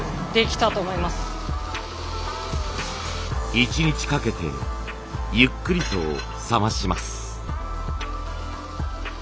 １日かけてゆっくりと冷まします。